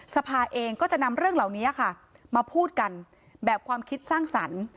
สภาเองก็จะนำเรื่องเหล่านี้ค่ะมาพูดกันแบบความคิดสร้างสรรค์